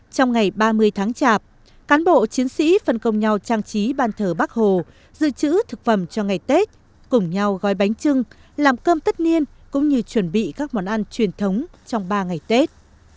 trong ngày ba mươi tháng chạp cán bộ chiến sĩ phân công nhau trang trí ban thờ bắc hồ dự trữ thực phẩm cho ngày tết cùng nhau gói bánh trưng làm cơm tất niên cũng như chuẩn bị các món ăn truyền thống trong ba ngày tết